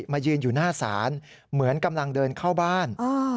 มายืนอยู่หน้าศาลเหมือนกำลังเดินเข้าบ้าน